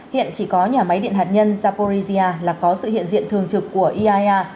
hiện chỉ có nhà máy điện hạt nhân zaporizia là có sự hiện diện thường trực của iaea